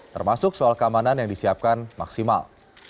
termasuk soal keamanan yang disiapkan maksimal